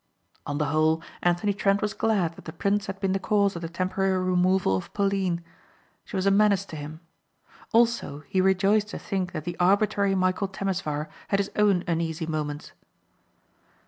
On the whole Anthony Trent was glad that the prince had been the cause of the temporary removal of Pauline. She was a menace to him. Also he rejoiced to think that the arbitrary Michæl Temesvar had his own uneasy moments.